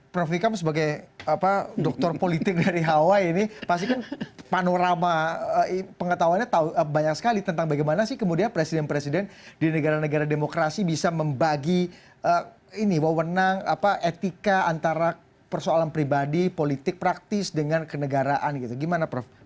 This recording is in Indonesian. prof vikam sebagai dokter politik dari hawai ini pasti kan panorama pengetahuannya banyak sekali tentang bagaimana sih kemudian presiden presiden di negara negara demokrasi bisa membagi wawenang etika antara persoalan pribadi politik praktis dengan kenegaraan gitu gimana prof